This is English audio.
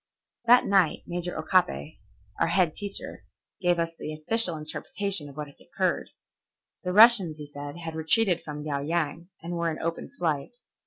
That night Major Okabe, our head teacher, gave us the official interpretation of what had occurred. The Russians, he said, had retreated from Liao Yang and were in open flight.